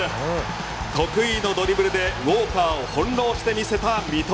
得意のドリブルでウォーカーを翻弄してみせた三笘。